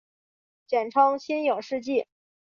简称新影世纪。